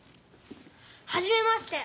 はじめまして。